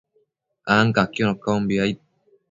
ancaquiono caumbi, aid